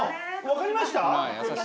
わかりました？